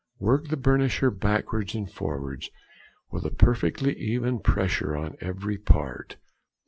Work the burnisher backwards and forwards with a perfectly even pressure on every part.